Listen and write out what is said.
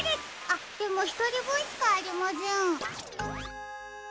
あっでもひとりぶんしかありません。